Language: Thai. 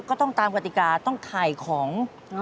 ก็ต้องตามกติกาต้องถ่ายของ